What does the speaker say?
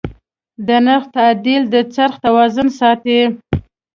د نرخ تعدیل د خرڅ توازن ساتي.